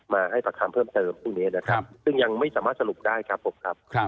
มาให้ปากคำเพิ่มเติมพรุ่งนี้นะครับซึ่งยังไม่สามารถสรุปได้ครับผมครับ